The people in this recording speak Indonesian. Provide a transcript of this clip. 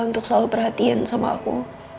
untuk selalu perhatian sama aku